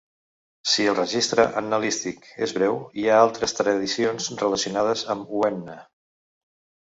Si el registre annalístic és breu, hi ha altres tradicions relacionades amb Uuenn.